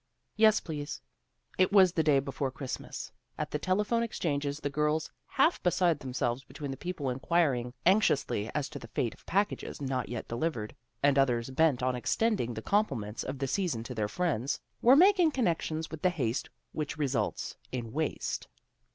Yes, please." It was the day before Christmas. At the telephone exchanges the girls, half beside themselves between the people inquiring anxiously as to the fate of packages not yet delivered, and others bent on extending the compliments of the season to their friends, were making connections with the haste which results hi waste.